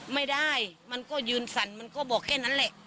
ไม่ได้มันก็ยืนสั่นมันก็บอกแค่นั้นแหละ